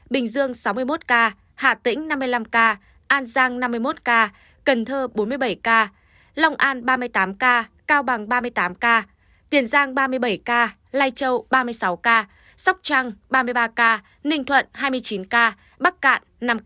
bình dương sáu mươi một ca hà tĩnh năm mươi năm ca an giang năm mươi một ca cần thơ bốn mươi bảy ca long an ba mươi tám ca cao bằng ba mươi tám ca tiền giang ba mươi bảy ca lai châu ba mươi sáu ca sóc trăng ba mươi ba ca ninh thuận hai mươi chín ca bắc cạn năm ca